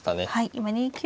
今２九